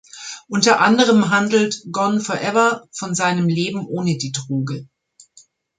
Unter anderem handelt "Gone Forever" von seinem Leben ohne die Droge.